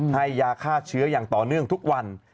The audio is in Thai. ให้ยาฆ่าเชื้ออย่างต่อเนื่องทุกวัน